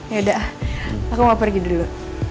ya udah aku mau pergi dulu